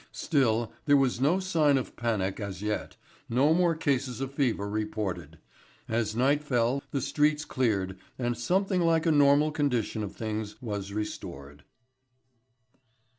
Still, there was no sign of panic as yet, no more cases of fever reported. As night fell the streets cleared and something like a normal condition of things was restored.